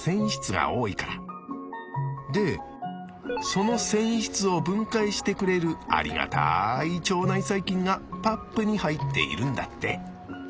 その繊維質を分解してくれるありがたい腸内細菌がパップに入っているんだって。